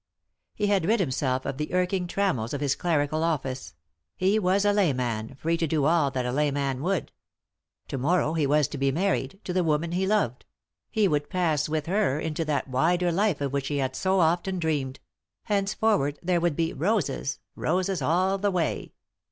He had rid himself of the irking trammels of his clerical office ; he was a layman, free to do all that a layman would. To morrow he was to be married, to the woman he loved ; he would pass with her into that wider life of which he had so often dreamed ; hence forward there would be "roses, roses all the way."